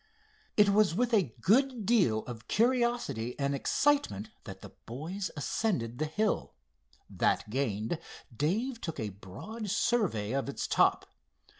It was with a good deal of curiosity and excitement that the boys ascended the hill. That gained, Dave took a broad survey of its top.